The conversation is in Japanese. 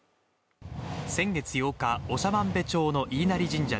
先月８日長万部町の飯生